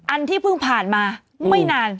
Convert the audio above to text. ที่เพิ่งผ่านมาไม่นาน